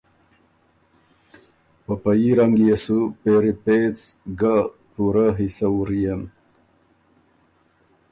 په پۀ يي رنګ يېسُو پېری پېڅ ګۀ پُورۀ حصه وُریېن۔